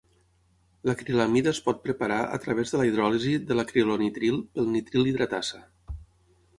L'acrilamida es pot preparar a través de la hidròlisi de l'acrilonitril pel nitril hidratasa.